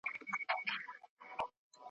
الوداع درڅخه ولاړم ستنېدل مي بیرته نسته ,